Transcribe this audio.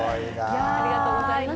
ありがとうございます。